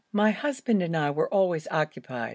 My husband and I were always occupied.